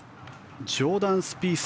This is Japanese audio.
ジョーダン・スピース